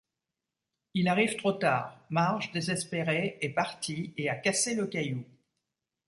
Il arrive trop tard, Marge, désespérée, est partie et a cassé le caillou.